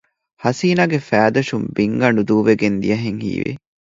ހަސީނާގެ ފައިދަށުން ބިންގަނޑު ދޫވެގެން ދިޔަހެން ހީވި